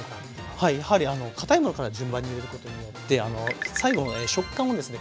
はいやはり堅いものから順番に入れることによって最後食感をですね